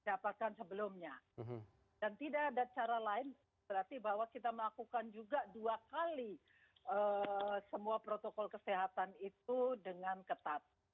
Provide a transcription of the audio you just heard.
dan tidak ada cara lain berarti bahwa kita melakukan juga dua kali semua protokol kesehatan itu dengan ketat